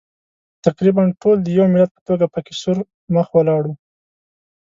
تقریباً ټول د یوه ملت په توګه پکې سور مخ ولاړ وو.